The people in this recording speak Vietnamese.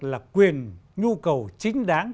là quyền nhu cầu chính đáng